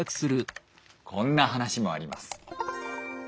こんな話もあります。